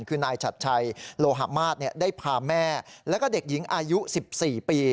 คือนายชัดชัยโลหะมาศได้พาแม่แล้วก็เด็กหญิงอายุ๑๔ปี